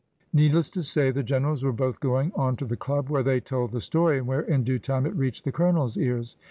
Needless to say the generals were both going on to the club, where they told the story, and where in due time it reached the Colonel's ears.